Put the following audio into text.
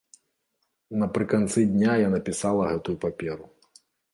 Напрыканцы дня я напісала гэтую паперу.